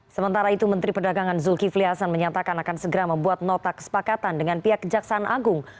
sementara itu menteri perdagangan zulkifli hasan menyatakan akan segera membuat nota kesepakatan dengan pihak kejaksaan agung